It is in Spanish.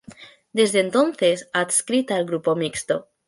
Desde entonces adscrita al Grupo Mixto.